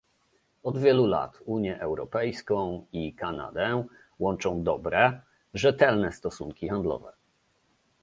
Od wielu lat Unię Europejską i Kanadę łączą dobre, rzetelne stosunki handlowe